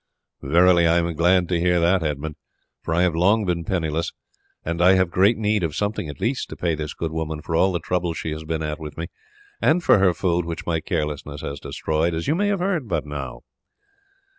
"Verily I am glad to hear it, Edmund, for I have long been penniless; and I have great need of something at least to pay this good woman for all the trouble she has been at with me, and for her food which my carelessness has destroyed, as you may have heard but now."